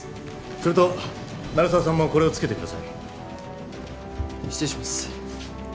それと鳴沢さんもこれをつけてください失礼します